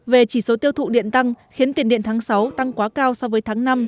về chỉ số tiêu thụ điện tăng khiến tiền điện tháng sáu tăng quá cao so với tháng năm